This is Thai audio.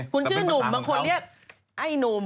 คุณชื่อหนุ่มบางคนเรียกไอ้หนุ่ม